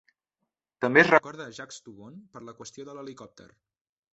També es recorda a Jacques Toubon per la "qüestió de l'helicòpter".